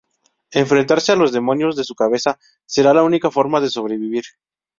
Enfrentarse a los demonios de su cabeza será la única forma de sobrevivir.